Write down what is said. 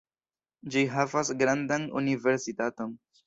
Ĝi havas grandan universitaton.